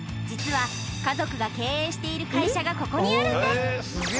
実は家族が経営している会社がここにあるんです